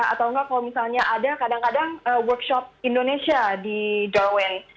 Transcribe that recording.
atau enggak kalau misalnya ada kadang kadang workshop indonesia di darwin